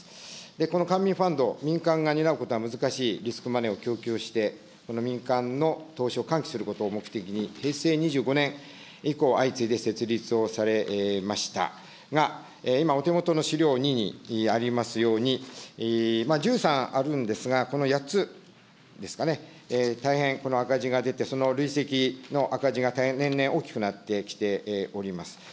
この官民ファンド、民間が担うことは難しいリスクマネーを供給して、この民間の投資を喚起することを目的に平成２５年以降、相次いで成立をされましたが、今、お手元の資料２にありますように、１３あるんですが、この８つですかね、大変この赤字が出てその累積の赤字が大変、年々大きくなってきております。